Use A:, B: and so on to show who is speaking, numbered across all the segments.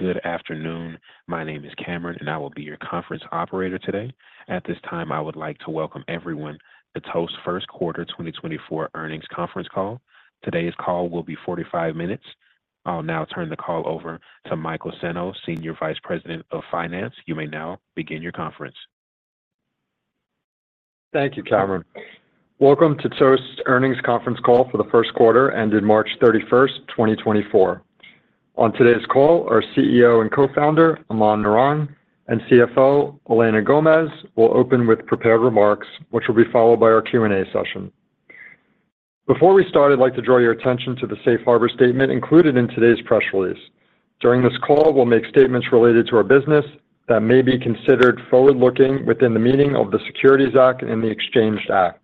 A: Good afternoon. My name is Cameron, and I will be your conference operator today. At this time, I would like to welcome everyone to Toast's First Quarter 2024 Earnings Conference Call. Today's call will be 45 minutes. I'll now turn the call over to Michael Senno, Senior Vice President of Finance. You may now begin your conference.
B: Thank you, Cameron. Welcome to Toast's Earnings Conference Call for the First Quarter, ended March 31st, 2024. On today's call, our CEO and co-founder, Aman Narang, and CFO, Elena Gomez, will open with prepared remarks, which will be followed by our Q&A session. Before we start, I'd like to draw your attention to the safe harbor statement included in today's press release. During this call, we'll make statements related to our business that may be considered forward-looking within the meaning of the Securities Act and the Exchange Act.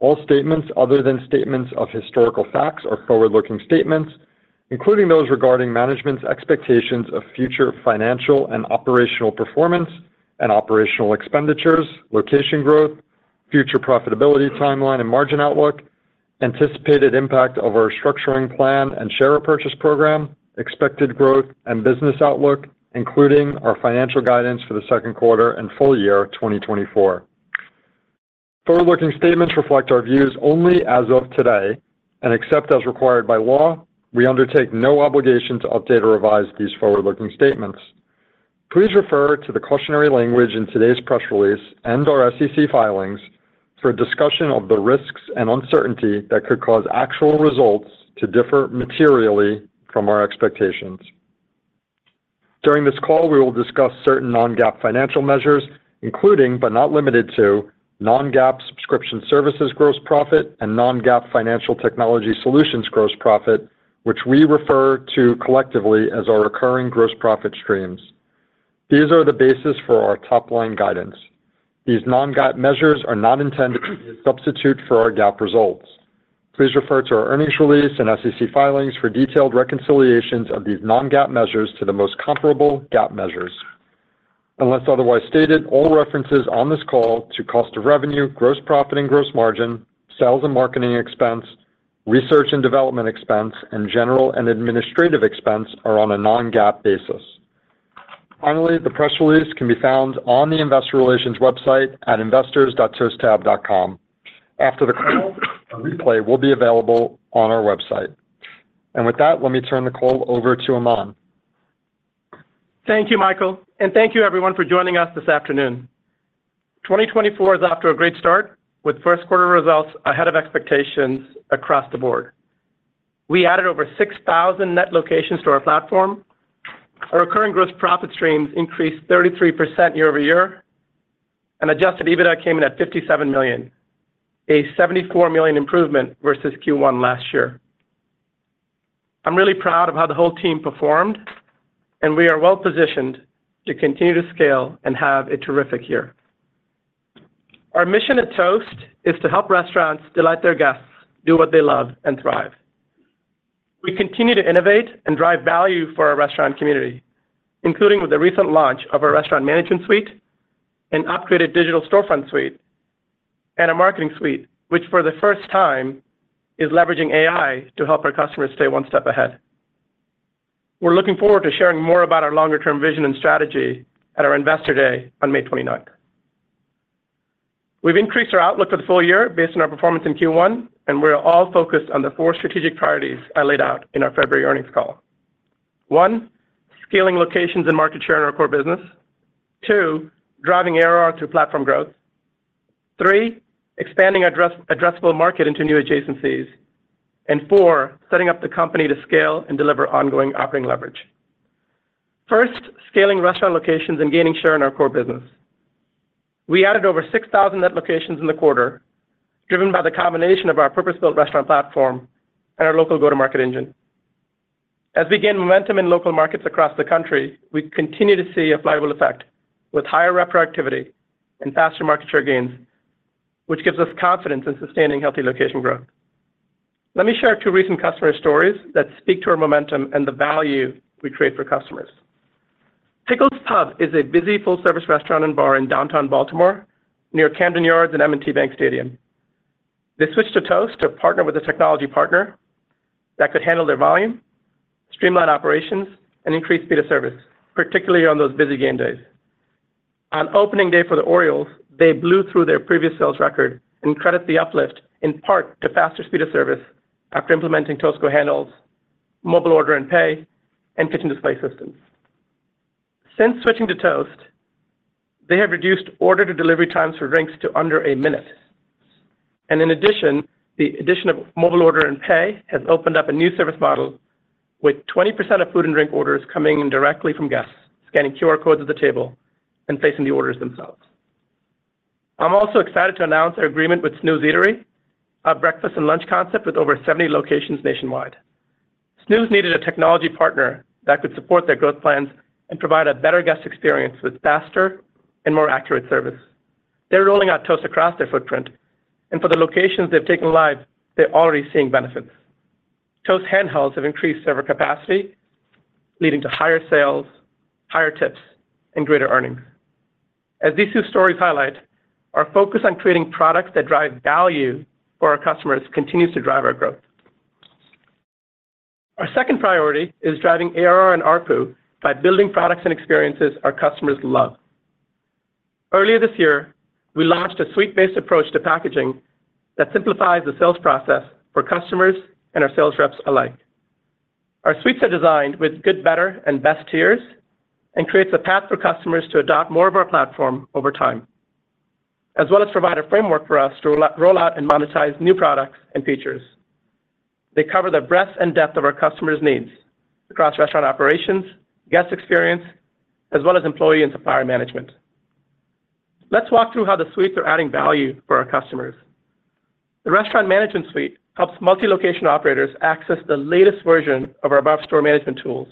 B: All statements other than statements of historical facts are forward-looking statements, including those regarding management's expectations of future financial and operational performance and operational expenditures, location growth, future profitability, timeline, and margin outlook, anticipated impact of our restructuring plan and share repurchase program, expected growth and business outlook, including our financial guidance for the second quarter and full year 2024. Forward-looking statements reflect our views only as of today, and except as required by law, we undertake no obligation to update or revise these forward-looking statements. Please refer to the cautionary language in today's press release and our SEC filings for a discussion of the risks and uncertainty that could cause actual results to differ materially from our expectations. During this call, we will discuss certain non-GAAP financial measures, including, but not limited to, non-GAAP subscription services gross profit and non-GAAP financial technology solutions gross profit, which we refer to collectively as our recurring gross profit streams. These are the basis for our top-line guidance. These non-GAAP measures are not intended to be a substitute for our GAAP results. Please refer to our earnings release and SEC filings for detailed reconciliations of these non-GAAP measures to the most comparable GAAP measures. Unless otherwise stated, all references on this call to cost of revenue, gross profit and gross margin, sales and marketing expense, research and development expense, and general and administrative expense are on a non-GAAP basis. Finally, the press release can be found on the Investor Relations website at investors.toasttab.com. After the call, a replay will be available on our website. With that, let me turn the call over to Aman.
C: Thank you, Michael, and thank you everyone for joining us this afternoon. 2024 is off to a great start, with first quarter results ahead of expectations across the board. We added over 6,000 net locations to our platform. Our recurring gross profit streams increased 33% year-over-year, and Adjusted EBITDA came in at $57 million, a $74 million improvement versus Q1 last year. I'm really proud of how the whole team performed, and we are well-positioned to continue to scale and have a terrific year. Our mission at Toast is to help restaurants delight their guests, do what they love, and thrive. We continue to innovate and drive value for our restaurant community, including with the recent launch of our Restaurant Management Suite, an upgraded Digital Storefront Suite, and a Marketing Suite, which for the first time, is leveraging AI to help our customers stay one step ahead. We're looking forward to sharing more about our longer-term vision and strategy at our Investor Day on May 29th. We've increased our outlook for the full year based on our performance in Q1, and we are all focused on the four strategic priorities I laid out in our February earnings call. One, scaling locations and market share in our core business. Two, driving ARR through platform growth. Three, expanding addressable market into new adjacencies. And four, setting up the company to scale and deliver ongoing operating leverage. First, scaling restaurant locations and gaining share in our core business. We added over 6,000 net locations in the quarter, driven by the combination of our purpose-built restaurant platform and our local go-to-market engine. As we gain momentum in local markets across the country, we continue to see a flywheel effect with higher rep productivity and faster market share gains, which gives us confidence in sustaining healthy location growth. Let me share two recent customer stories that speak to our momentum and the value we create for customers. Pickles Pub is a busy full-service restaurant and bar in downtown Baltimore, near Camden Yards and M&T Bank Stadium. They switched to Toast to partner with a technology partner that could handle their volume, streamline operations, and increase speed of service, particularly on those busy game days. On opening day for the Orioles, they blew through their previous sales record and credit the uplift in part to faster speed of service after implementing Toast Go handhelds, mobile order and pay, and kitchen display systems. Since switching to Toast, they have reduced order-to-delivery times for drinks to under a minute. In addition, the addition of mobile order and pay has opened up a new service model, with 20% of food and drink orders coming in directly from guests, scanning QR codes at the table and placing the orders themselves. I'm also excited to announce our agreement with Snooze, an A.M. Eatery, a breakfast and lunch concept with over 70 locations nationwide. Snooze, an A.M. Eatery needed a technology partner that could support their growth plans and provide a better guest experience with faster and more accurate service. They're rolling out Toast across their footprint, and for the locations they've taken live, they're already seeing benefits. Toast handhelds have increased server capacity, leading to higher sales, higher tips, and greater earnings. As these two stories highlight, our focus on creating products that drive value for our customers continues to drive our growth. Our second priority is driving ARR and ARPU by building products and experiences our customers love. Earlier this year, we launched a suite-based approach to packaging that simplifies the sales process for customers and our sales reps alike. Our suites are designed with good, better, and best tiers, and creates a path for customers to adopt more of our platform over time, as well as provide a framework for us to roll out, roll out and monetize new products and features. They cover the breadth and depth of our customers' needs across restaurant operations, guest experience, as well as employee and supplier management. Let's walk through how the suites are adding value for our customers. The Restaurant Management Suite helps multi-location operators access the latest version of our store management tools,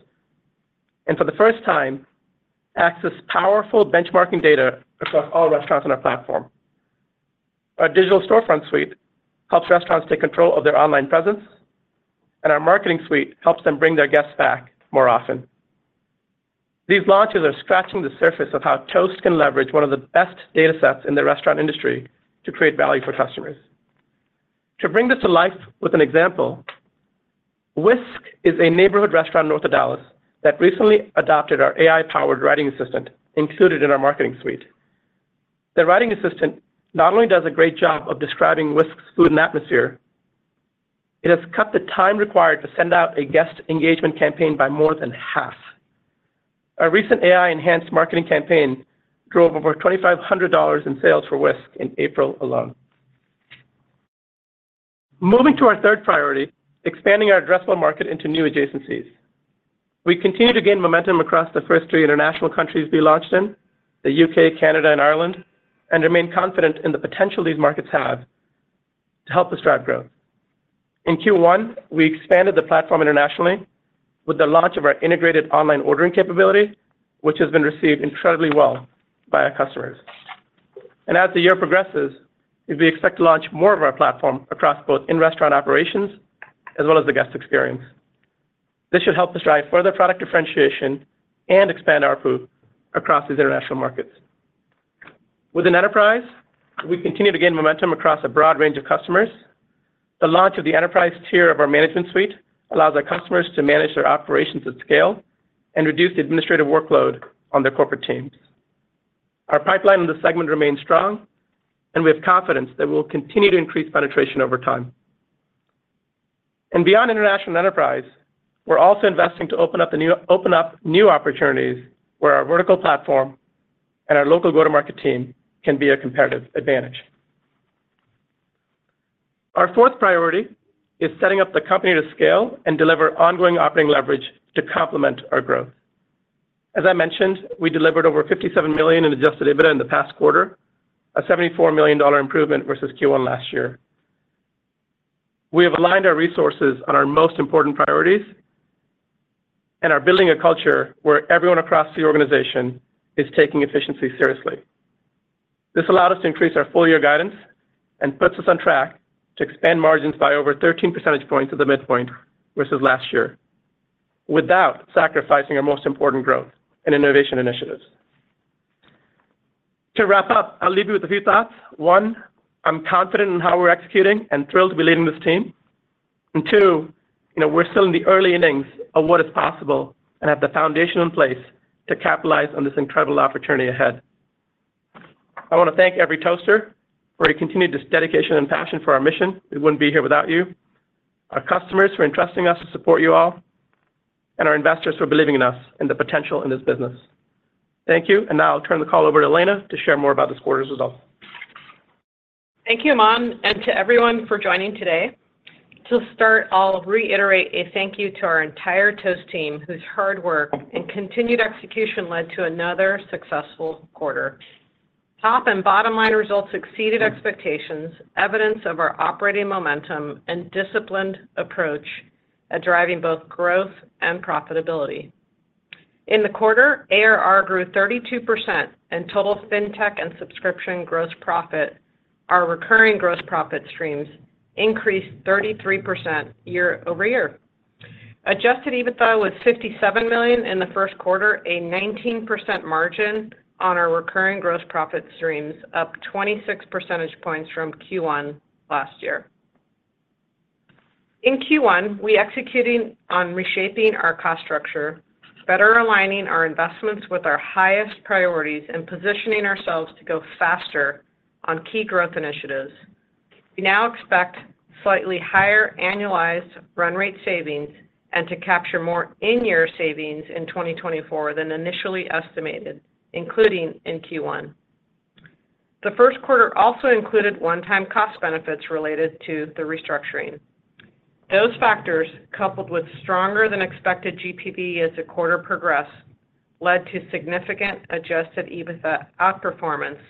C: and for the first time, access powerful benchmarking data across all restaurants on our platform. Our Digital Storefront Suite helps restaurants take control of their online presence, and our Marketing Suite helps them bring their guests back more often. These launches are scratching the surface of how Toast can leverage one of the best data sets in the restaurant industry to create value for customers. To bring this to life with an example, Whisk is a neighborhood restaurant north of Dallas that recently adopted our AI-powered writing assistant, included in our Marketing Suite. The writing assistant not only does a great job of describing Whisk's food and atmosphere, it has cut the time required to send out a guest engagement campaign by more than half. Our recent AI-enhanced marketing campaign drove over $2,500 in sales for Whisk in April alone. Moving to our third priority, expanding our addressable market into new adjacencies. We continue to gain momentum across the first three international countries we launched in, the U.K., Canada, and Ireland, and remain confident in the potential these markets have to help us drive growth. In Q1, we expanded the platform internationally with the launch of our integrated online ordering capability, which has been received incredibly well by our customers. As the year progresses, we expect to launch more of our platform across both in-restaurant operations as well as the guest experience. This should help us drive further product differentiation and expand our pool across these international markets. Within enterprise, we continue to gain momentum across a broad range of customers. The launch of the enterprise tier of our Marketing Suite allows our customers to manage their operations at scale and reduce the administrative workload on their corporate teams. Our pipeline in this segment remains strong, and we have confidence that we'll continue to increase penetration over time. Beyond international enterprise, we're also investing to open up new opportunities where our vertical platform and our local go-to-market team can be a competitive advantage. Our fourth priority is setting up the company to scale and deliver ongoing operating leverage to complement our growth. As I mentioned, we delivered over $57 million in Adjusted EBITDA in the past quarter, a $74 million improvement versus Q1 last year. We have aligned our resources on our most important priorities, and are building a culture where everyone across the organization is taking efficiency seriously. This allowed us to increase our full year guidance and puts us on track to expand margins by over 13 percentage points at the midpoint versus last year, without sacrificing our most important growth and innovation initiatives. To wrap up, I'll leave you with a few thoughts. One, I'm confident in how we're executing and thrilled to be leading this team. And two, you know, we're still in the early innings of what is possible and have the foundation in place to capitalize on this incredible opportunity ahead. I want to thank every Toaster for your continued dedication and passion for our mission. We wouldn't be here without you, our customers, for entrusting us to support you all, and our investors for believing in us and the potential in this business. Thank you, and now I'll turn the call over to Elena to share more about this quarter's results.
D: Thank you, Aman, and to everyone for joining today. To start, I'll reiterate a thank you to our entire Toast team, whose hard work and continued execution led to another successful quarter. Top and bottom line results exceeded expectations, evidence of our operating momentum and disciplined approach at driving both growth and profitability. In the quarter, ARR grew 32%, and total fintech and subscription gross profit, our recurring gross profit streams increased 33% year-over-year. Adjusted EBITDA was $57 million in the first quarter, a 19% margin on our recurring gross profit streams, up 26 percentage points from Q1 last year. In Q1, we executing on reshaping our cost structure, better aligning our investments with our highest priorities, and positioning ourselves to go faster on key growth initiatives. We now expect slightly higher annualized run rate savings and to capture more in-year savings in 2024 than initially estimated, including in Q1. The first quarter also included one-time cost benefits related to the restructuring. Those factors, coupled with stronger than expected GPV as the quarter progressed, led to significant adjusted EBITDA outperformance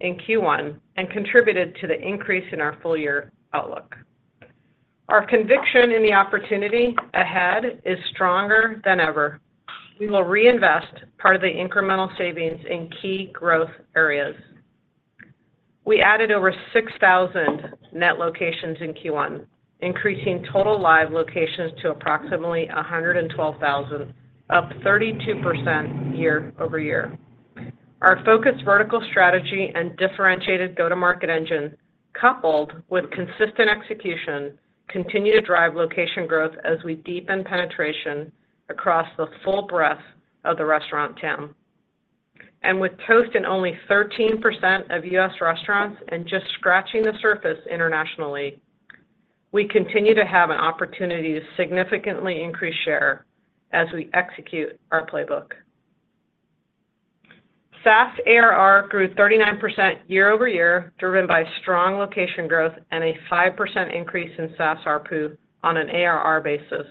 D: in Q1 and contributed to the increase in our full-year outlook. Our conviction in the opportunity ahead is stronger than ever. We will reinvest part of the incremental savings in key growth areas. We added over 6,000 net locations in Q1, increasing total live locations to approximately 112,000, up 32% year-over-year. Our focused vertical strategy and differentiated go-to-market engine, coupled with consistent execution, continue to drive location growth as we deepen penetration across the full breadth of the restaurant TAM. And with Toast in only 13% of U.S. restaurants and just scratching the surface internationally, we continue to have an opportunity to significantly increase share as we execute our playbook. SaaS ARR grew 39% year-over-year, driven by strong location growth and a 5% increase in SaaS ARPU on an ARR basis.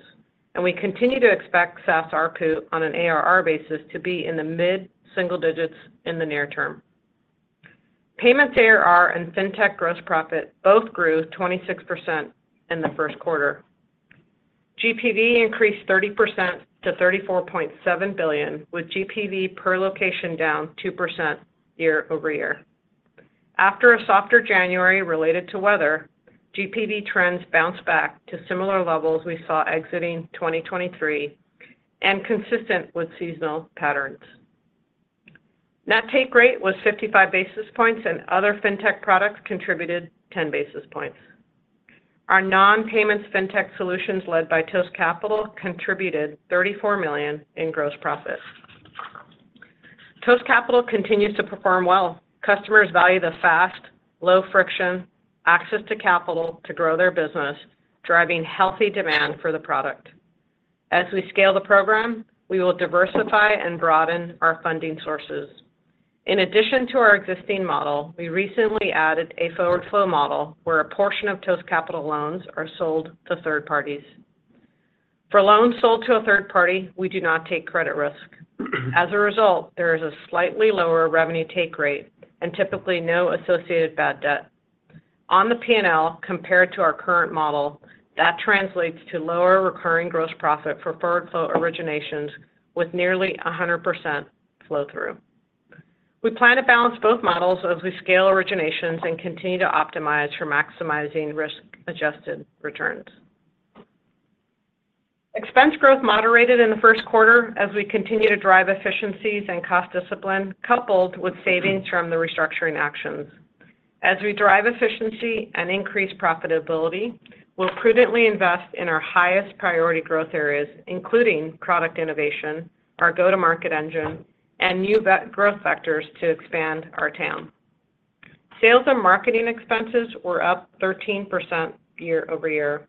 D: And we continue to expect SaaS ARPU on an ARR basis to be in the mid-single digits in the near term. Payments ARR and fintech gross profit both grew 26% in the first quarter. GPV increased 30% to $34.7 billion, with GPV per location down 2% year-over-year. After a softer January related to weather, GPV trends bounced back to similar levels we saw exiting 2023 and consistent with seasonal patterns. Net take rate was 55 basis points, and other fintech products contributed 10 basis points. Our non-payment fintech solutions, led by Toast Capital, contributed $34 million in gross profit. Toast Capital continues to perform well. Customers value the fast, low-friction access to capital to grow their business, driving healthy demand for the product. As we scale the program, we will diversify and broaden our funding sources. In addition to our existing model, we recently added a forward flow model, where a portion of Toast Capital loans are sold to third parties. For loans sold to a third party, we do not take credit risk. As a result, there is a slightly lower revenue take rate and typically no associated bad debt. On the P&L, compared to our current model, that translates to lower recurring gross profit for forward flow originations with nearly 100% flow through. We plan to balance both models as we scale originations and continue to optimize for maximizing risk-adjusted returns. Expense growth moderated in the first quarter as we continue to drive efficiencies and cost discipline, coupled with savings from the restructuring actions. As we drive efficiency and increase profitability, we'll prudently invest in our highest priority growth areas, including product innovation, our go-to-market engine, and new vertical growth sectors to expand our TAM. Sales and marketing expenses were up 13% year-over-year.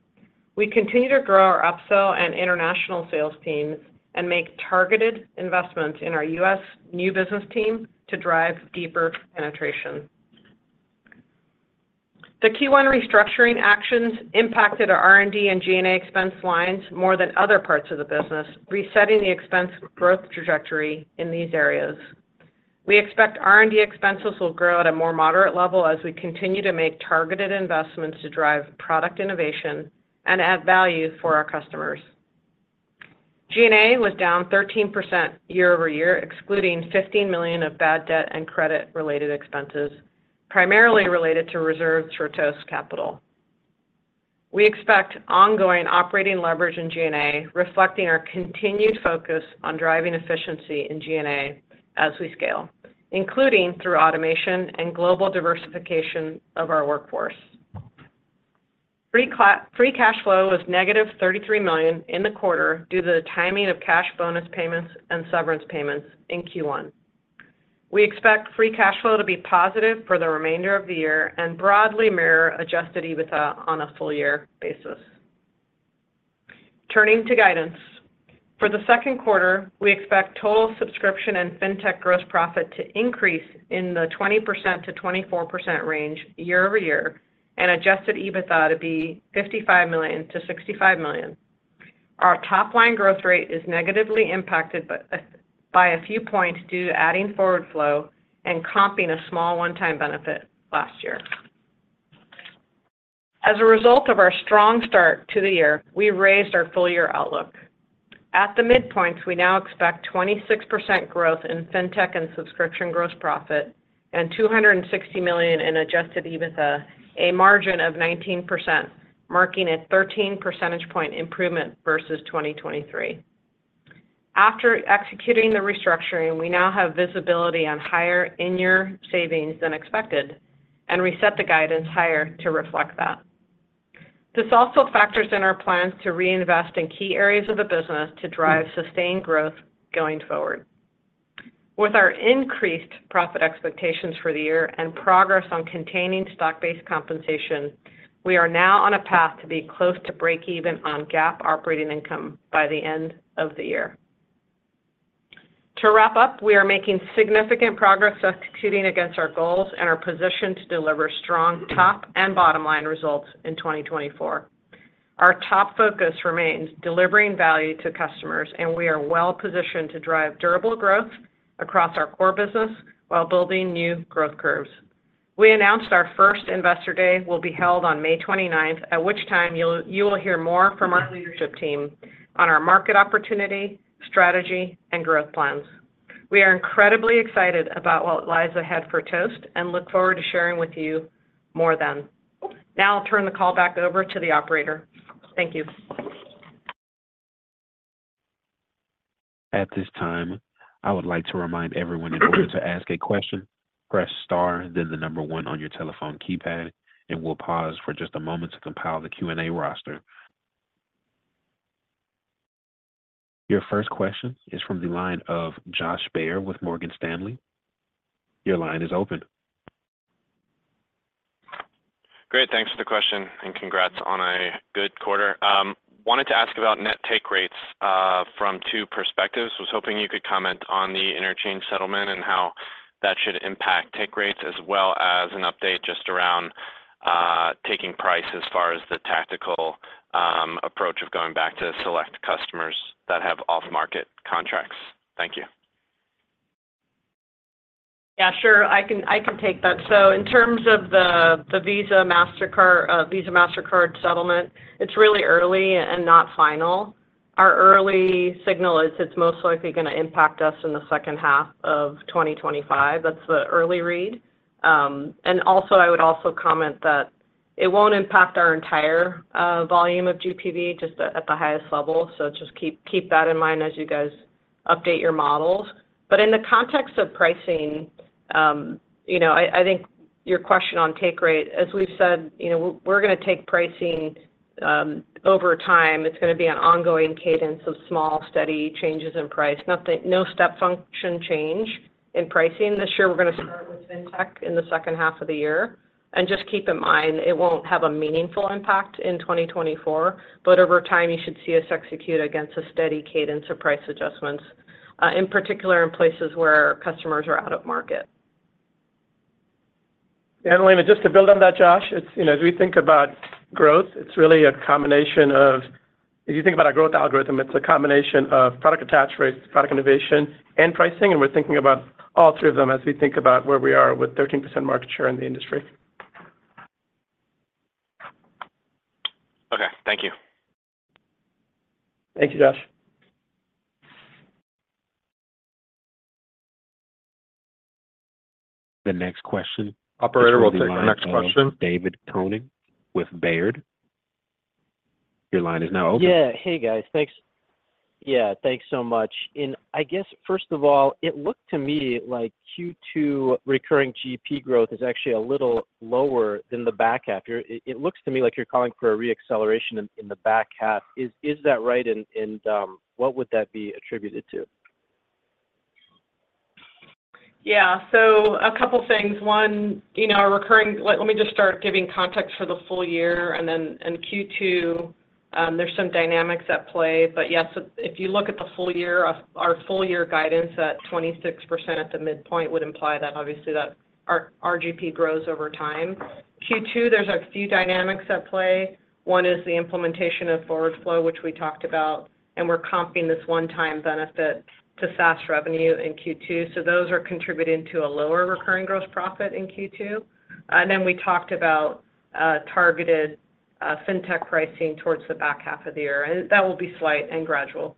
D: We continue to grow our upsell and international sales teams and make targeted investments in our U.S. new business team to drive deeper penetration. The Q1 restructuring actions impacted our R&D and G&A expense lines more than other parts of the business, resetting the expense growth trajectory in these areas. We expect R&D expenses will grow at a more moderate level as we continue to make targeted investments to drive product innovation and add value for our customers. G&A was down 13% year-over-year, excluding $15 million of bad debt and credit-related expenses, primarily related to reserves for Toast Capital. We expect ongoing operating leverage in G&A, reflecting our continued focus on driving efficiency in G&A as we scale, including through automation and global diversification of our workforce. Free cash flow was -$33 million in the quarter due to the timing of cash bonus payments and severance payments in Q1. We expect free cash flow to be positive for the remainder of the year and broadly mirror adjusted EBITDA on a full-year basis. Turning to guidance. For the second quarter, we expect total subscription and fintech gross profit to increase in the 20%-24% range year-over-year, and adjusted EBITDA to be $55 million-$65 million. Our top-line growth rate is negatively impacted by a few points due to adding forward flow and comping a small one-time benefit last year. As a result of our strong start to the year, we raised our full-year outlook. At the midpoints, we now expect 26% growth in fintech and subscription gross profit and $260 million in Adjusted EBITDA, a margin of 19%, marking a 13 percentage point improvement versus 2023. After executing the restructuring, we now have visibility on higher in-year savings than expected and reset the guidance higher to reflect that. This also factors in our plans to reinvest in key areas of the business to drive sustained growth going forward. With our increased profit expectations for the year and progress on containing stock-based compensation, we are now on a path to be close to break even on GAAP operating income by the end of the year. To wrap up, we are making significant progress executing against our goals and are positioned to deliver strong top and bottom-line results in 2024. Our top focus remains delivering value to customers, and we are well positioned to drive durable growth across our core business while building new growth curves. We announced our first Investor Day will be held on May 29, at which time you will hear more from our leadership team on our market opportunity, strategy, and growth plans. We are incredibly excited about what lies ahead for Toast, and look forward to sharing with you more then. Now I'll turn the call back over to the operator. Thank you.
A: At this time, I would like to remind everyone, in order to ask a question, press star, then the number one on your telephone keypad, and we'll pause for just a moment to compile the Q&A roster. Your first question is from the line of Josh Baer with Morgan Stanley. Your line is open.
E: Great, thanks for the question, and congrats on a good quarter. Wanted to ask about net take rates, from two perspectives. Was hoping you could comment on the interchange settlement and how that should impact take rates, as well as an update just around, taking price as far as the tactical, approach of going back to select customers that have off-market contracts. Thank you.
D: Yeah, sure. I can take that. So in terms of the Visa, Mastercard settlement, it's really early and not final. Our early signal is it's most likely gonna impact us in the second half of 2025. That's the early read. And also, I would also comment that it won't impact our entire volume of GPV, just at the highest level, so just keep that in mind as you guys update your models. But in the context of pricing, you know, I think your question on take rate, as we've said, you know, we're gonna take pricing over time. It's gonna be an ongoing cadence of small, steady changes in price. Nothing, no step function change in pricing this year. We're gonna start with fintech in the second half of the year. Just keep in mind, it won't have a meaningful impact in 2024, but over time, you should see us execute against a steady cadence of price adjustments, in particular, in places where customers are out of market.
C: Yeah, and just to build on that, Josh, it's, you know, as we think about growth, it's really a combination of, if you think about our growth algorithm, it's a combination of product attach rates, product innovation, and pricing, and we're thinking about all three of them as we think about where we are with 13% market share in the industry.
E: Okay, thank you.
C: Thank you, Josh.
A: The next question-
B: Operator, we'll take the next question.
A: David Koning with Baird. Your line is now open.
F: Yeah. Hey, guys. Thanks. Yeah, thanks so much. I guess, first of all, it looked to me like Q2 recurring GP growth is actually a little lower than the back half. It looks to me like you're calling for a re-acceleration in the back half. Is that right? And what would that be attributed to?
D: Yeah. So a couple things. One, you know, our recurring— Let me just start giving context for the full year, and then in Q2, there's some dynamics at play. But yes, if you look at the full year, our full year guidance at 26% at the midpoint would imply that obviously that our GP grows over time. Q2, there's a few dynamics at play. One is the implementation of forward flow, which we talked about, and we're comping this one-time benefit to SaaS revenue in Q2, so those are contributing to a lower recurring gross profit in Q2. And then we talked about targeted fintech pricing towards the back half of the year, and that will be slight and gradual.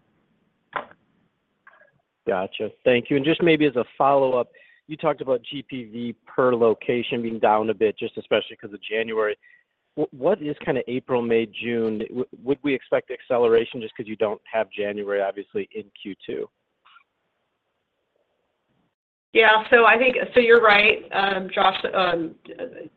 F: Gotcha. Thank you. And just maybe as a follow-up, you talked about GPV per location being down a bit, just especially 'cause of January. What is kinda April, May, June? Would we expect acceleration just 'cause you don't have January, obviously, in Q2?
D: Yeah, so I think. So you're right, Josh.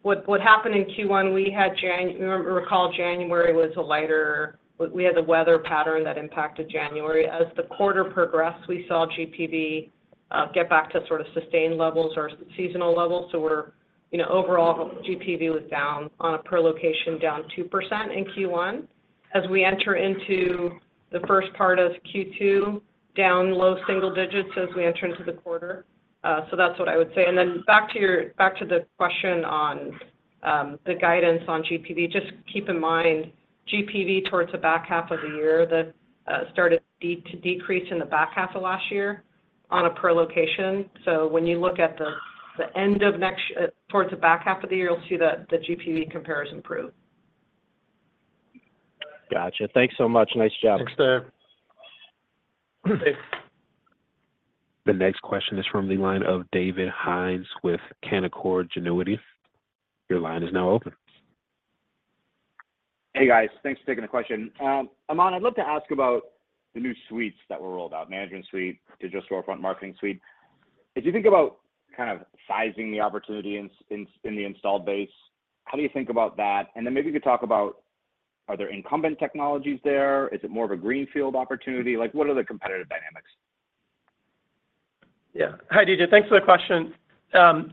D: What happened in Q1, we had January—recall January was a lighter—we had the weather pattern that impacted January. As the quarter progressed, we saw GPV get back to sort of sustained levels or seasonal levels. So we're, you know, overall, GPV was down on a per location, down 2% in Q1. As we enter into the first part of Q2, down low single digits as we enter into the quarter. So that's what I would say. And then back to the question on the guidance on GPV, just keep in mind, GPV towards the back half of the year, that started to decrease in the back half of last year on a per location. So when you look at the end of next year, towards the back half of the year, you'll see that the GPV comparison improve.
F: Gotcha. Thanks so much. Nice job.
C: Thanks, David.
A: The next question is from the line of David Hynes with Canaccord Genuity. Your line is now open.
G: Hey, guys. Thanks for taking the question. Aman, I'd love to ask about the new suites that were rolled out, Marketing Suite, Digital Storefront Suite. As you think about kind of sizing the opportunity in the installed base, how do you think about that? And then maybe you could talk about, are there incumbent technologies there? Is it more of a greenfield opportunity? Like, what are the competitive dynamics?
C: Yeah. Hi, David. Thanks for the question.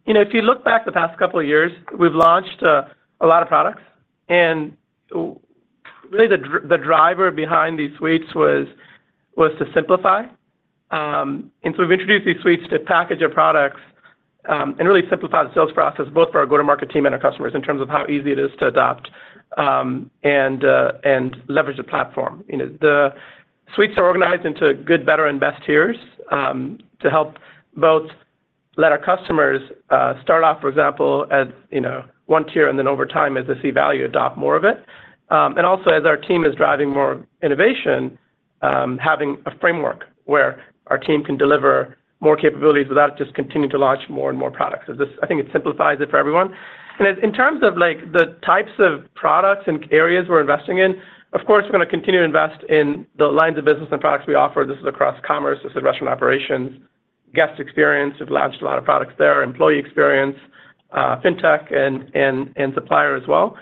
C: You know, if you look back the past couple of years, we've launched a lot of products, and really, the driver behind these suites was to simplify. And so we've introduced these suites to package our products, and really simplify the sales process, both for our go-to-market team and our customers, in terms of how easy it is to adopt, and leverage the platform. You know, the suites are organized into good, better, and best tiers, to help both let our customers start off, for example, at, you know, one tier, and then over time, as they see value, adopt more of it. And also, as our team is driving more innovation, having a framework where our team can deliver more capabilities without just continuing to launch more and more products. Because this, I think it simplifies it for everyone. And in terms of, like, the types of products and areas we're investing in, of course, we're gonna continue to invest in the lines of business and products we offer. This is across commerce, this is restaurant operations, guest experience, we've launched a lot of products there, employee experience, fintech, and supplier as well.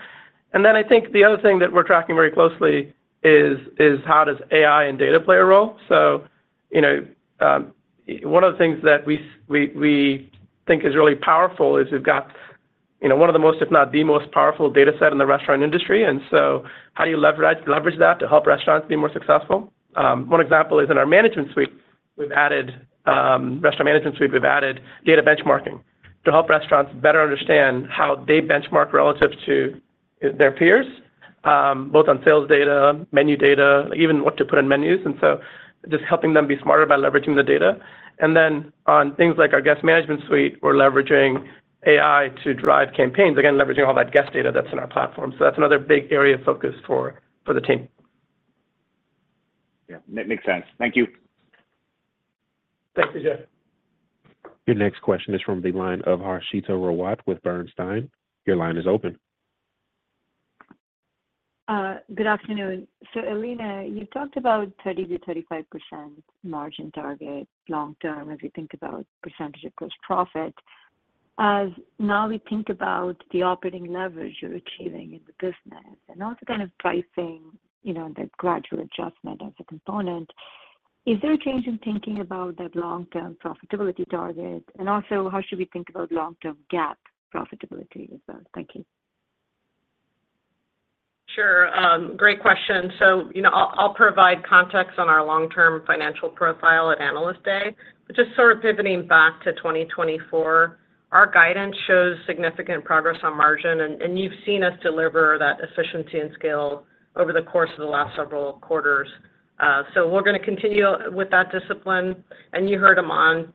C: And then I think the other thing that we're tracking very closely is how does AI and data play a role? So, you know, one of the things that we, we think is really powerful is we've got, you know, one of the most, if not, the most powerful data set in the restaurant industry. And so how do you leverage that to help restaurants be more successful? One example is in our management suite, we've added Restaurant Management Suite, we've added data benchmarking to help restaurants better understand how they benchmark relative to their peers, both on sales data, menu data, even what to put on menus, and so just helping them be smarter by leveraging the data. And then on things like our Guest Management Suite, we're leveraging AI to drive campaigns. Again, leveraging all that guest data that's in our platform. So that's another big area of focus for the team.
G: Yeah, makes sense. Thank you.
C: Thank you, David.
A: Your next question is from the line of Harshita Rawat with Bernstein. Your line is open.
H: Good afternoon. So, Elena, you talked about 30%-35% margin target long term, as you think about percentage of gross profit. As now we think about the operating leverage you're achieving in the business and also kind of pricing, you know, the gradual adjustment as a component, is there a change in thinking about that long-term profitability target? And also, how should we think about long-term GAAP profitability as well? Thank you.
D: Sure. Great question. So, you know, I'll provide context on our long-term financial profile at Analyst Day. But just sort of pivoting back to 2024, our guidance shows significant progress on margin, and you've seen us deliver that efficiency and scale over the course of the last several quarters. So we're gonna continue with that discipline, and you heard Aman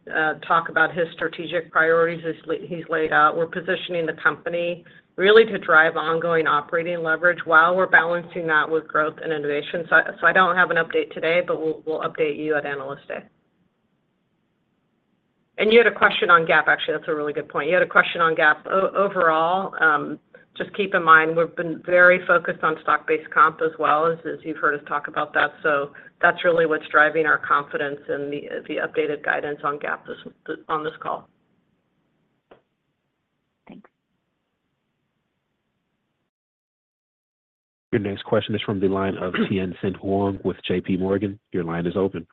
D: talk about his strategic priorities as he's laid out. We're positioning the company really to drive ongoing operating leverage while we're balancing that with growth and innovation. So I don't have an update today, but we'll update you at Analyst Day. And you had a question on GAAP. Actually, that's a really good point. You had a question on GAAP. Overall, just keep in mind, we've been very focused on stock-based comp as well as you've heard us talk about that. So that's really what's driving our confidence in the updated guidance on GAAP on this call.
H: Thanks.
A: Your next question is from the line of Tien-Tsin Huang with J.P. Morgan. Your line is open.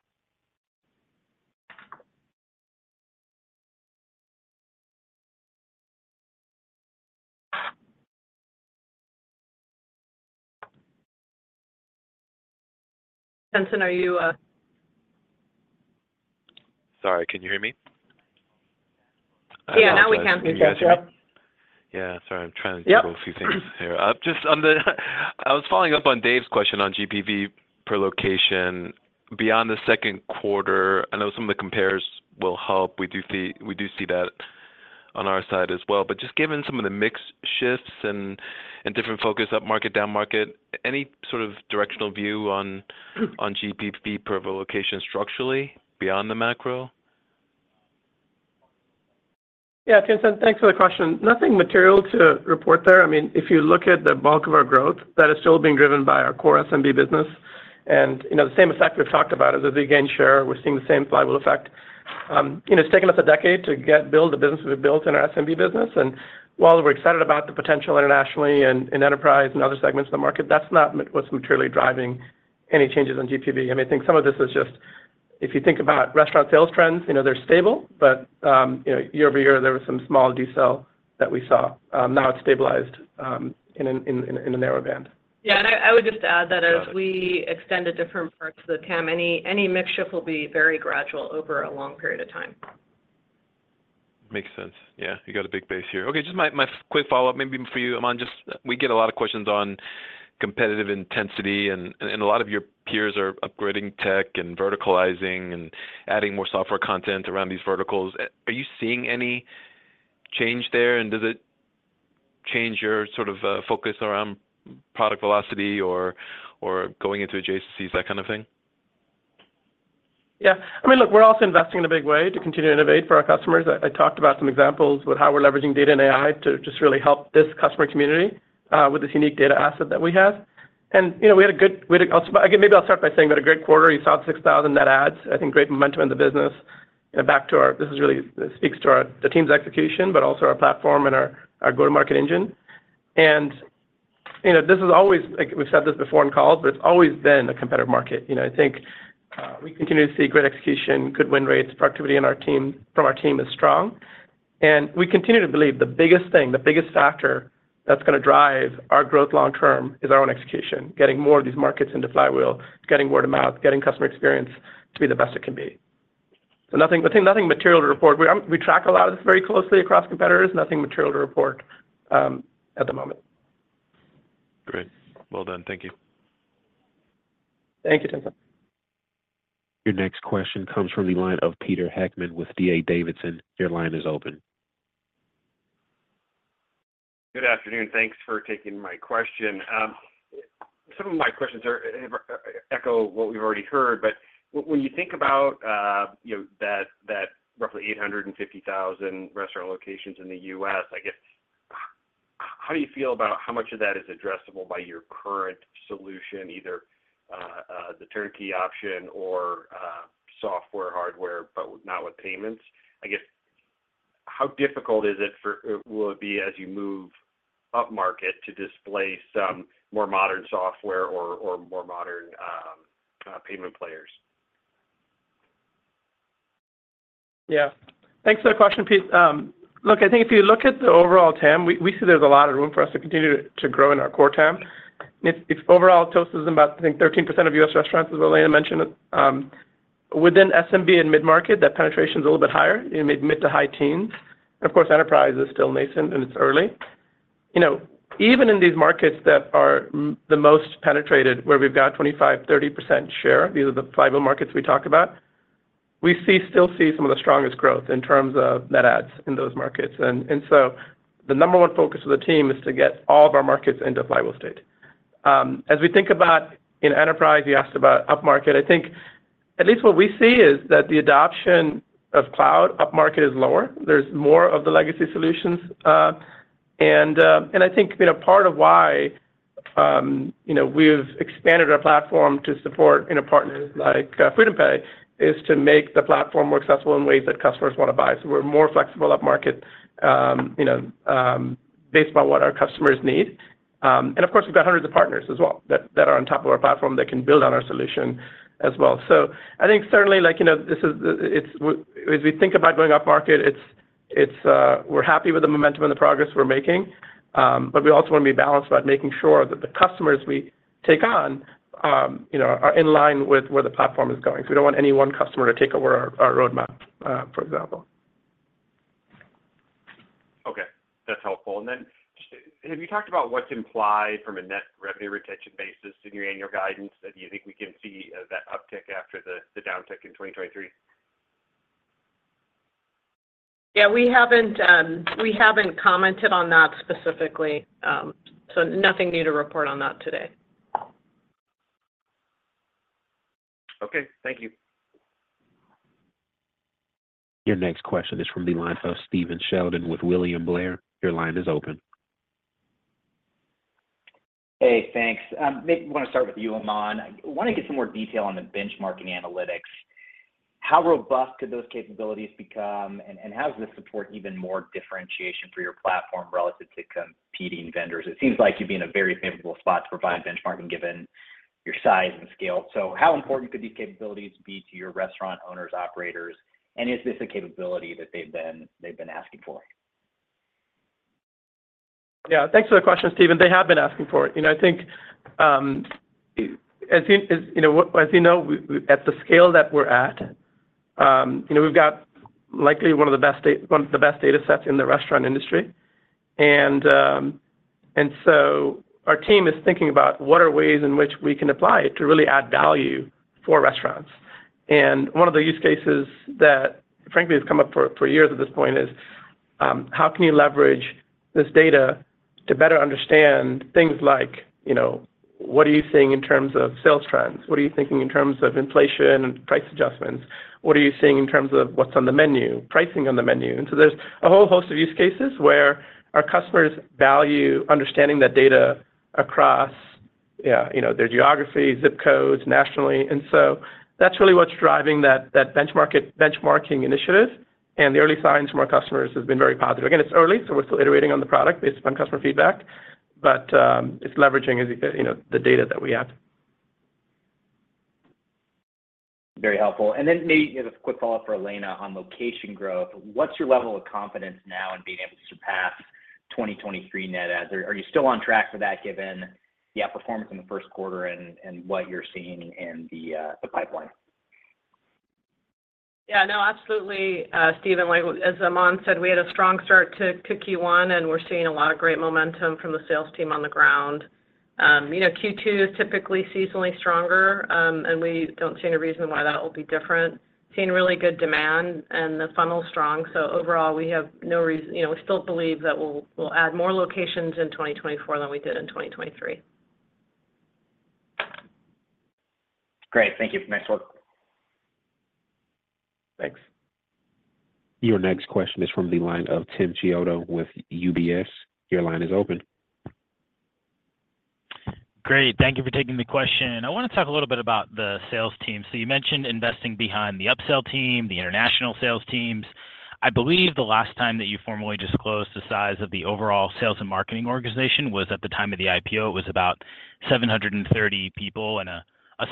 D: Tien-tsin, are you?
I: Sorry, can you hear me?
D: Yeah, now we can.
C: We can, yep.
I: Yeah, sorry, I'm trying to juggle a few things here. Just on the, I was following up on Dave's question on GPV per location. Beyond the second quarter, I know some of the compares will help. We do see, we do see that on our side as well. But just given some of the mix shifts and, and different focus upmarket, downmarket, any sort of directional view on, on GPV per location structurally, beyond the macro?
C: Yeah, Tien-tsin, thanks for the question. Nothing material to report there. I mean, if you look at the bulk of our growth, that is still being driven by our core SMB business, and, you know, the same effect we've talked about as a gain share, we're seeing the same flywheel effect. You know, it's taken us a decade to build the business we've built in our SMB business, and while we're excited about the potential internationally and in enterprise and other segments of the market, that's not what's materially driving any changes on GPV. I mean, I think some of this is just, if you think about restaurant sales trends, you know, they're stable, but, you know, year over year, there was some small decel that we saw. Now it's stabilized in a narrow band.
D: Yeah, I would just add that as we extend to different parts of the TAM, any mix shift will be very gradual over a long period of time.
I: Makes sense. Yeah, you got a big base here. Okay, just my quick follow-up, maybe for you, Aman. Just we get a lot of questions on competitive intensity, and a lot of your peers are upgrading tech and verticalizing and adding more software content around these verticals. Are you seeing any change there, and does it change your sort of focus around product velocity or going into adjacencies, that kind of thing?
C: Yeah. I mean, look, we're also investing in a big way to continue to innovate for our customers. I talked about some examples with how we're leveraging data and AI to just really help this customer community with this unique data asset that we have. And, you know, also, again, maybe I'll start by saying that a great quarter, you saw 6,000 net adds, I think great momentum in the business. This really speaks to our, the team's execution, but also our platform and our go-to-market engine. And, you know, this is always like, we've said this before in calls, but it's always been a competitive market. You know, I think, we continue to see great execution, good win rates. Productivity in our team, from our team is strong, and we continue to believe the biggest thing, the biggest factor that's gonna drive our growth long term is our own execution, getting more of these markets into flywheel, getting word-of-mouth, getting customer experience to be the best it can be. So nothing, I think nothing material to report. We track a lot of this very closely across competitors. Nothing material to report at the moment.
I: Great. Well done. Thank you.
C: Thank you, Timothy.
A: Your next question comes from the line of Peter Heckman with D.A. Davidson. Your line is open.
J: Good afternoon. Thanks for taking my question. Some of my questions echo what we've already heard, but when you think about, you know, that roughly 850,000 restaurant locations in the U.S., I guess, how do you feel about how much of that is addressable by your current solution, either the turnkey option or software, hardware, but not with payments? I guess, how difficult is it, will it be as you move upmarket to display some more modern software or more modern payment players?
C: Yeah. Thanks for the question, Pete. Look, I think if you look at the overall TAM, we, we see there's a lot of room for us to continue to, to grow in our core TAM. It's, it's overall Toast is about, I think, 13% of U.S. restaurants, as Elena mentioned. Within SMB and mid-market, that penetration is a little bit higher, in mid- to high teens. Of course, enterprise is still nascent, and it's early. You know, even in these markets that are the most penetrated, where we've got 25, 30% share, these are the flywheel markets we talked about, we see, still see some of the strongest growth in terms of net adds in those markets. And, and so the number one focus of the team is to get all of our markets into flywheel state. As we think about in enterprise, you asked about upmarket, I think at least what we see is that the adoption of cloud upmarket is lower. There's more of the legacy solutions, and I think, you know, part of why, you know, we've expanded our platform to support in a partner like, FreedomPay, is to make the platform more accessible in ways that customers want to buy. So we're more flexible upmarket, you know, based on what our customers need. And of course, we've got hundreds of partners as well, that are on top of our platform, that can build on our solution as well. So I think certainly, like, you know, this is the, it's as we think about going upmarket, it's, we're happy with the momentum and the progress we're making, but we also want to be balanced about making sure that the customers we take on, you know, are in line with where the platform is going. So we don't want any one customer to take over our roadmap, for example.
J: Okay, that's helpful. And then just, have you talked about what's implied from a net revenue retention basis in your annual guidance? And do you think we can see that uptick after the downtick in 2023?
D: Yeah, we haven't, we haven't commented on that specifically. So nothing new to report on that today.
J: Okay, thank you.
A: Your next question is from the line of Stephen Sheldon with William Blair. Your line is open.
K: Hey, thanks. Maybe I want to start with you, Aman. I want to get some more detail on the benchmarking analytics. How robust could those capabilities become, and how does this support even more differentiation for your platform relative to competing vendors? It seems like you'd be in a very favorable spot to provide benchmarking, given your size and scale. So how important could these capabilities be to your restaurant owners, operators, and is this a capability that they've been asking for?
C: Yeah, thanks for the question, Stephen. They have been asking for it. You know, I think, as you know, at the scale that we're at, you know, we've got likely one of the best datasets in the restaurant industry. And so our team is thinking about what are ways in which we can apply it to really add value for restaurants. And one of the use cases that, frankly, has come up for years at this point is how can you leverage this data to better understand things like, you know, what are you seeing in terms of sales trends? What are you thinking in terms of inflation and price adjustments? What are you seeing in terms of what's on the menu, pricing on the menu? There's a whole host of use cases where our customers value understanding that data across, you know, their geography, zip codes, nationally. So that's really what's driving that benchmarking initiative, and the early signs from our customers has been very positive. Again, it's early, so we're still iterating on the product based upon customer feedback, but it's leveraging, as you know, the data that we have.
K: Very helpful. And then maybe just a quick follow-up for Elena on location growth. What's your level of confidence now in being able to surpass 2023 net adds? Are you still on track for that, given yeah performance in the first quarter and what you're seeing in the pipeline?
D: Yeah, no, absolutely, Stephen. Like as Aman said, we had a strong start to Q1, and we're seeing a lot of great momentum from the sales team on the ground. You know, Q2 is typically seasonally stronger, and we don't see any reason why that will be different. Seeing really good demand and the funnel's strong, so overall, we have no reason, you know, we still believe that we'll add more locations in 2024 than we did in 2023.
K: Great. Thank you. Thanks for.
C: Thanks.
A: Your next question is from the line of Tim Chiodo with UBS. Your line is open.
L: Great. Thank you for taking the question. I want to talk a little bit about the sales team. So you mentioned investing behind the upsell team, the international sales teams. I believe the last time that you formally disclosed the size of the overall sales and marketing organization was at the time of the IPO. It was about 730 people, and a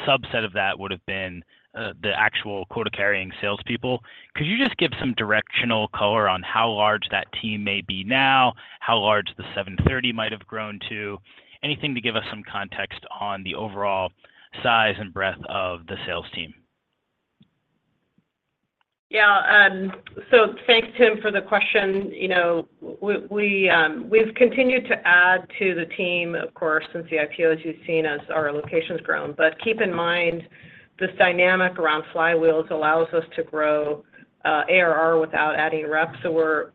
L: subset of that would have been the actual quota-carrying salespeople. Could you just give some directional color on how large that team may be now? How large the 730 might have grown to? Anything to give us some context on the overall size and breadth of the sales team.
D: Yeah, so thanks, Tim, for the question. You know, we've continued to add to the team, of course, since the IPO, as you've seen, as our location's grown. But keep in mind, this dynamic around flywheels allows us to grow ARR without adding reps. So we're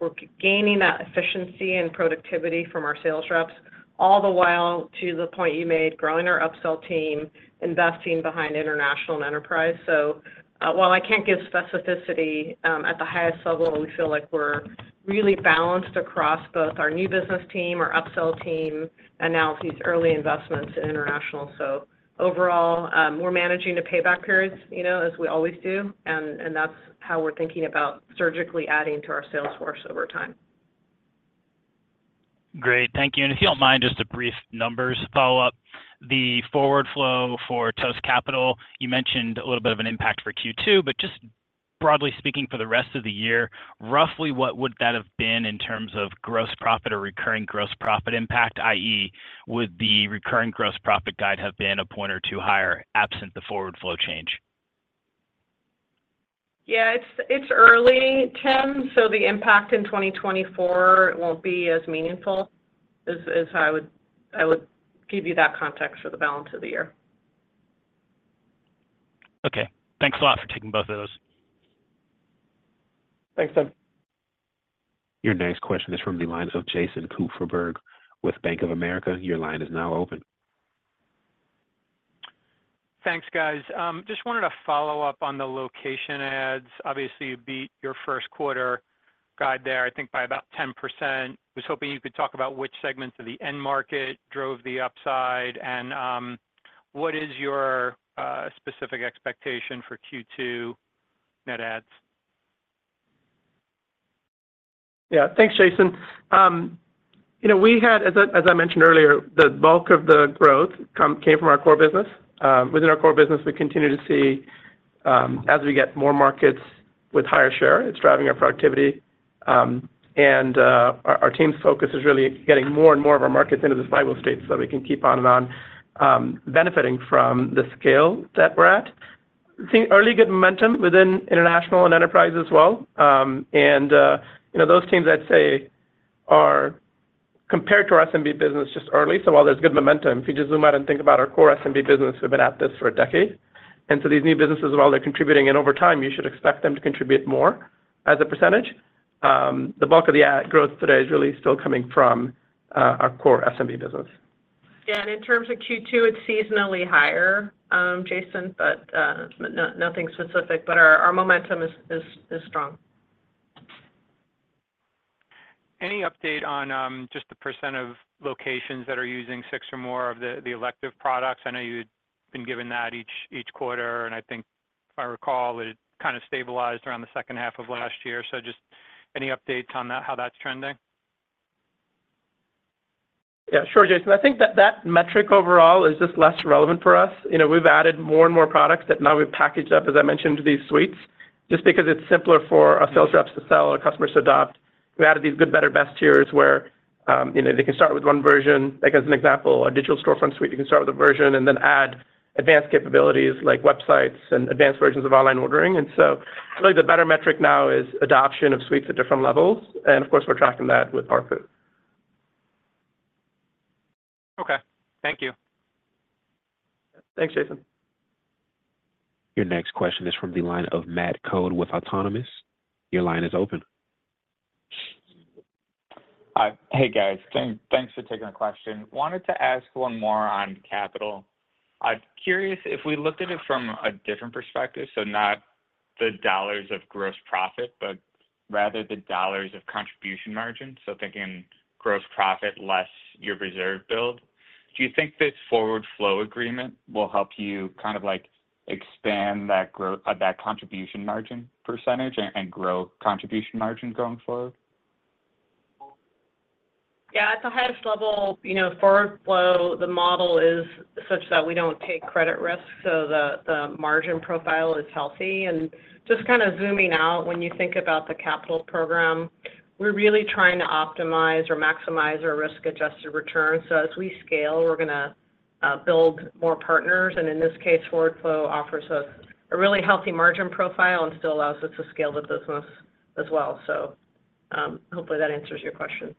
D: gaining that efficiency and productivity from our sales reps, all the while, to the point you made, growing our upsell team, investing behind international and enterprise. So while I can't give specificity, at the highest level, we feel like we're really balanced across both our new business team, our upsell team, and now these early investments in international. So overall, we're managing the payback periods, you know, as we always do, and that's how we're thinking about surgically adding to our sales force over time.
L: Great. Thank you. And if you don't mind, just a brief numbers follow-up. The forward flow for Toast Capital, you mentioned a little bit of an impact for Q2, but just broadly speaking for the rest of the year, roughly what would that have been in terms of gross profit or recurring gross profit impact, i.e., would the recurring gross profit guide have been a point or two higher, absent the forward flow change?
D: Yeah, it's early, Tim, so the impact in 2024 won't be as meaningful, is how I would give you that context for the balance of the year.
L: Okay. Thanks a lot for taking both of those.
C: Thanks, Tim.
A: Your next question is from the line of Jason Kupferberg with Bank of America. Your line is now open.
M: Thanks, guys. Just wanted to follow up on the location ads. Obviously, you beat your first quarter guide there, I think by about 10%. Was hoping you could talk about which segments of the end market drove the upside, and what is your specific expectation for Q2 net ads?
C: Yeah. Thanks, Jason. You know, we had, as I mentioned earlier, the bulk of the growth came from our core business. Within our core business, we continue to see, as we get more markets with higher share, it's driving our productivity. And our team's focus is really getting more and more of our markets into the flywheel state so we can keep on and on, benefiting from the scale that we're at. Seeing early good momentum within international and enterprise as well. And you know, those teams, I'd say, are compared to our SMB business just early. So while there's good momentum, if you just zoom out and think about our core SMB business, we've been at this for a decade. And so these new businesses, while they're contributing, and over time, you should expect them to contribute more as a percentage. The bulk of the ad growth today is really still coming from our core SMB business.
D: Yeah, and in terms of Q2, it's seasonally higher, Jason, but nothing specific, but our momentum is strong. Any update on just the percent of locations that are using six or more of the elective products? I know you've been given that each quarter, and I think, if I recall, it kind of stabilized around the second half of last year. So just any updates on that, how that's trending?
C: Yeah, sure, Jason. I think that that metric overall is just less relevant for us. You know, we've added more and more products that now we've packaged up, as I mentioned, these suites. Just because it's simpler for our sales reps to sell or customers to adopt, we added these good, better, best tiers where, you know, they can start with one version. Like, as an example, a Digital Storefront Suite, you can start with a version and then add advanced capabilities like websites and advanced versions of online ordering. And so, really, the better metric now is adoption of suites at different levels, and of course, we're tracking that with our field.
M: Okay. Thank you.
C: Thanks, Jason.
A: Your next question is from the line of Matt Coad with Autonomous. Your line is open.
N: Hi. Hey, guys. Thanks for taking the question. Wanted to ask one more on capital. I'm curious if we looked at it from a different perspective, so not the dollars of gross profit, but rather the dollars of contribution margin, so thinking gross profit less your reserve build, do you think this forward flow agreement will help you kind of, like, expand that growth, that contribution margin percentage and, and grow contribution margin going forward?
D: Yeah, at the highest level, you know, forward flow, the model is such that we don't take credit risk, so the margin profile is healthy. And just kinda zooming out, when you think about the capital program, we're really trying to optimize or maximize our risk-adjusted returns. So as we scale, we're gonna build more partners, and in this case, forward flow offers us a really healthy margin profile and still allows us to scale the business as well. So, hopefully, that answers your question.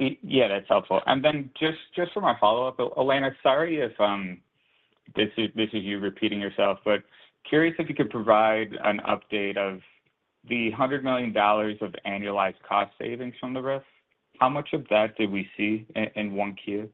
N: Yeah, that's helpful. And then just, just for my follow-up, Elena, sorry if this is you repeating yourself, but curious if you could provide an update of the $100 million of annualized cost savings from the risk. How much of that did we see in 1Q?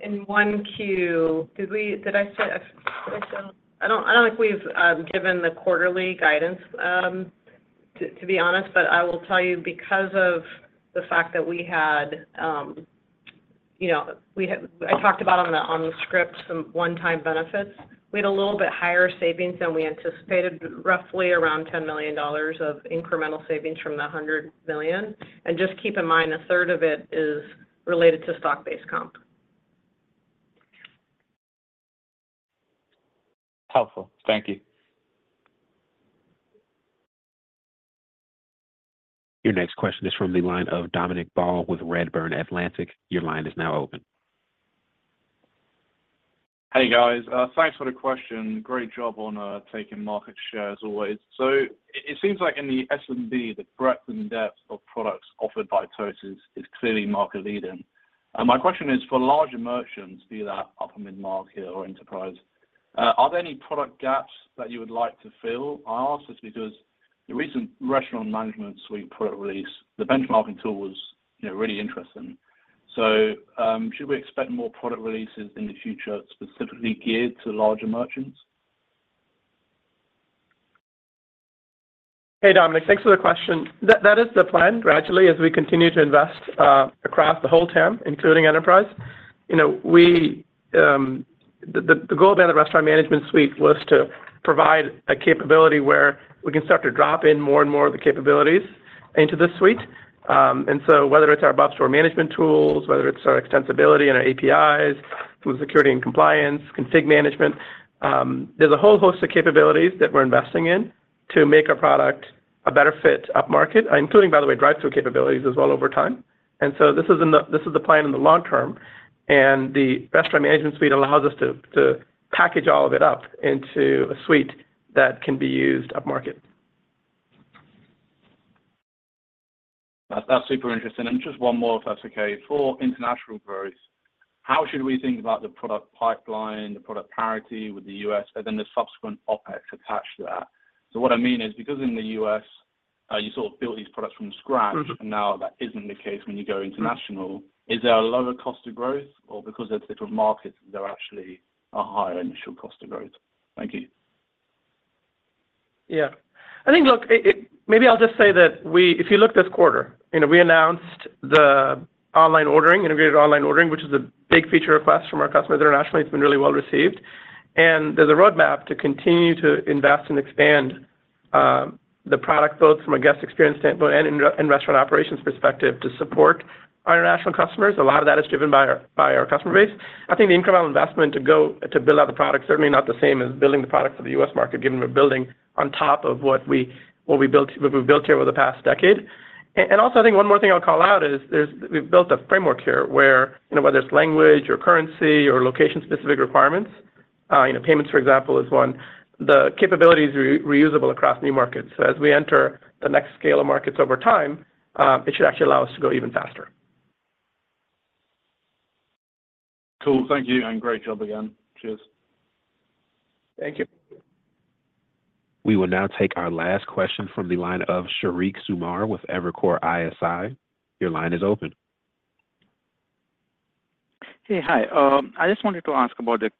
D: In 1Q, did I say? I don't think we've given the quarterly guidance, to be honest, but I will tell you, because of the fact that we had, you know, I talked about on the script, some one-time benefits, we had a little bit higher savings than we anticipated, roughly around $10 million of incremental savings from the $100 million. Just keep in mind, a third of it is related to stock-based comp.
N: Helpful. Thank you.
A: Your next question is from the line of Dominic Ball with Redburn Atlantic. Your line is now open.
O: Hey, guys. Thanks for the question. Great job on taking market share as always. So it seems like in the S&P, the breadth and depth of products offered by Toast is clearly market leading. And my question is, for larger merchants, be that upper mid-market or enterprise, are there any product gaps that you would like to fill? I ask this because the recent Restaurant Management Suite product release, the benchmarking tool was, you know, really interesting. So should we expect more product releases in the future, specifically geared to larger merchants?
C: Hey, Dominic. Thanks for the question. That is the plan, gradually, as we continue to invest across the whole team, including enterprise. You know, the goal behind the Restaurant Management Suite was to provide a capability where we can start to drop in more and more of the capabilities into the suite. And so whether it's our back-of-store management tools, whether it's our extensibility and our APIs, food security and compliance, config management, there's a whole host of capabilities that we're investing in to make our product a better fit upmarket, including, by the way, drive-through capabilities as well over time. And so this is the plan in the long term, and the Restaurant Management Suite allows us to package all of it up into a suite that can be used upmarket.
O: That's, that's super interesting. And just one more, if that's okay. For international queries, how should we think about the product pipeline, the product parity with the U.S., and then the subsequent OpEx attached to that? So what I mean is, because in the U.S., you sort of built these products from scratch, and now that isn't the case when you go international, is there a lower cost to growth? Or because they're different markets, they're actually a higher initial cost to growth. Thank you.
C: Yeah. I think, look, it—maybe I'll just say that we, if you look this quarter, you know, we announced the online ordering, integrated online ordering, which is a big feature request from our customers internationally. It's been really well received. And there's a roadmap to continue to invest and expand the product, both from a guest experience standpoint and a restaurant operations perspective, to support our international customers. A lot of that is driven by our customer base. I think the incremental investment to go to build out the product, certainly not the same as building the product for the U.S. market, given we're building on top of what we've built here over the past decade. I think one more thing I'll call out is there's we've built a framework here where, you know, whether it's language or currency or location-specific requirements, you know, payments, for example, is one, the capability is reusable across new markets. So as we enter the next scale of markets over time, it should actually allow us to go even faster.
O: Cool. Thank you, and great job again. Cheers.
C: Thank you.
A: We will now take our last question from the line of Sheriq Sumar with Evercore ISI. Your line is open.
P: Hey, hi. I just wanted to ask about the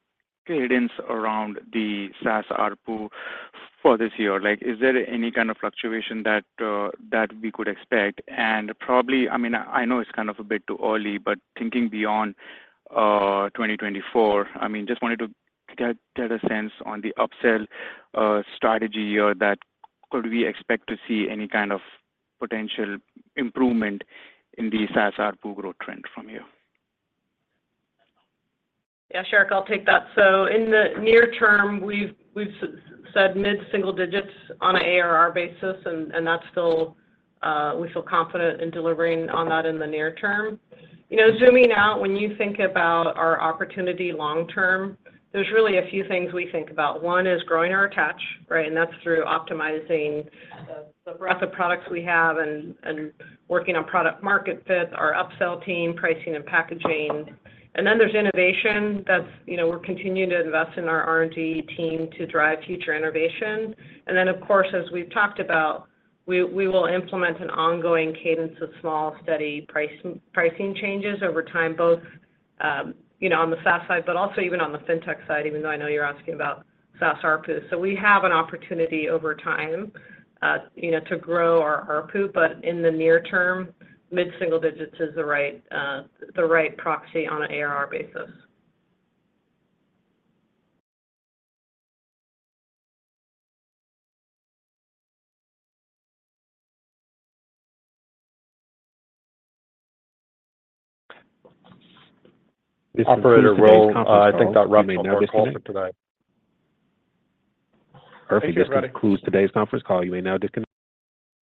P: cadence around the SaaS ARPU for this year. Like, is there any kind of fluctuation that we could expect? And probably, I mean, I know it's kind of a bit too early, but thinking beyond 2024, I mean, just wanted to get, get a sense on the upsell strategy or that could we expect to see any kind of potential improvement in the SaaS ARPU growth trend from you?
D: Yeah, Sheriq, I'll take that. So in the near term, we've said mid-single digits on an ARR basis, and that's still we feel confident in delivering on that in the near term. You know, zooming out, when you think about our opportunity long term, there's really a few things we think about. One is growing our attach, right? And that's through optimizing the breadth of products we have and working on product-market fit, our upsell team, pricing and packaging. And then there's innovation, that's, you know, we're continuing to invest in our R&D team to drive future innovation. Then, of course, as we've talked about, we will implement an ongoing cadence of small, steady pricing changes over time, both, you know, on the SaaS side, but also even on the fintech side, even though I know you're asking about SaaS ARPU. So we have an opportunity over time, you know, to grow our ARPU, but in the near term, mid-single digits is the right proxy on an ARR basis.
C: Operator, well, I think that wraps me for today.
A: Perfect. This concludes today's conference call. You may now disconnect.